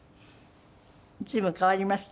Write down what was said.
随分変わりました？